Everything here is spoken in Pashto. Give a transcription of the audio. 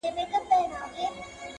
چي موږ ټوله په یوه ژبه ګړېږو!.